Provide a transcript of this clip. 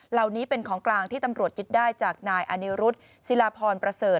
เหล่านี้เป็นของกลางที่ตำรวจยึดได้จากนายอนิรุธศิลาพรประเสริฐ